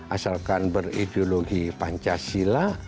asalkan berideologi pancasila